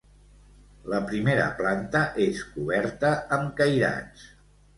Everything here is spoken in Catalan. La primera planta és coberta amb cairats.